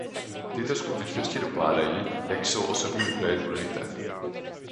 Tyto skutečnosti dokládají, jak jsou osobní údaje důležité.